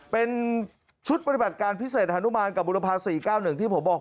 เป็นชุดปฏิบัติการพิเศษฮานุมานกับบุรพา๔๙๑ที่ผมบอก